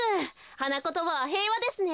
はなことばはへいわですね。